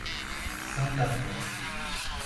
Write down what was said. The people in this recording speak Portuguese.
Santa Fé